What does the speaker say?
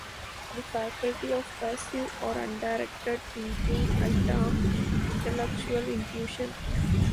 The faculty of passive, or undirected, thinking, I term 'intellectual intuition'.